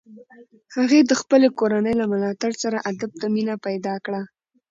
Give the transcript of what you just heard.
هغې د خپلې کورنۍ له ملاتړ سره ادب ته مینه پیدا کړه.